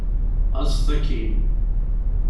Aẓet akkin!